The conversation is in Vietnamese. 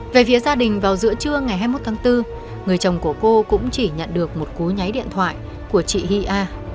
về phía gia đình vào giữa trưa ngày hai mươi một tháng bốn người chồng của cô cũng chỉ nhận được một cú nháy điện thoại của chị hi a